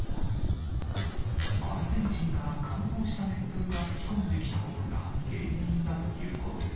アルゼンチンから乾燥した熱風が吹き込んできたことが原因だということです。